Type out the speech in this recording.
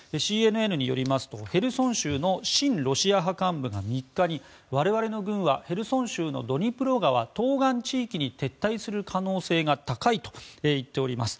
ＣＮＮによりますとヘルソン州の親ロシア派幹部が３日に我々の軍はヘルソン州のドニプロ川東岸地域に撤退する可能性が高いと言っております。